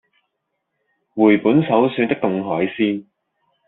回本首選的凍海鮮